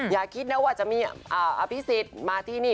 อย่าคิดนะว่าจะมีอภิษฎมาที่นี่